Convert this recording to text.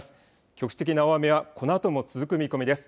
局地的な大雨はこのあとも続く見込みです。